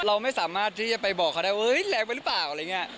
เราไม่สามารถที่จะไปบอกเขาได้เฮ้ยแรงไปหรือเปล่าอะไรอย่างนี้